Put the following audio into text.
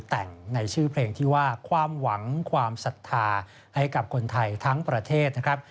แต่งในชื่อเพลงที่ว่าความหวังความศรัทธาให้กับคนไทยทั้งประเทศนะครับ